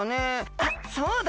あっそうだ！